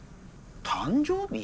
誕生日？